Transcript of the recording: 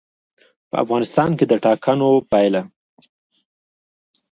په افغانستان کې د ټاکنو پایله.